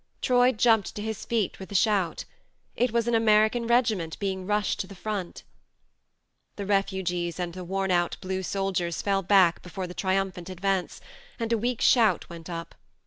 Troy jumped to his feet with a shout. It was an American regiment being rushed to the front ! The refugees and the worn out blue soldiers fell back before the triumphant advance, and a weak shout went up.